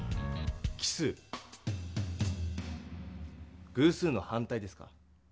奇数？偶数の反対ですか。